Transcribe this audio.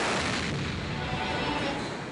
د کلي منځ کې به لوڅ مخې تېره شمه